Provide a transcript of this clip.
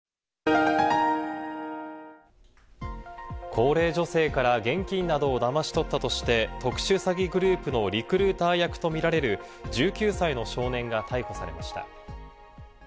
高齢女性から現金などをだまし取ったとして、特殊詐欺グループのリクルーター役とみられる、１９歳の少年が逮捕されました。